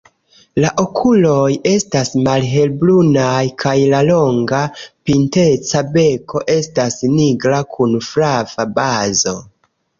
La okuloj estas malhelbrunaj kaj la longa, pinteca beko estas nigra kun flava bazo.